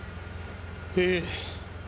ええ。